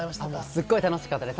すっごい楽しかったです。